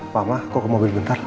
mama kau ke mobil bentar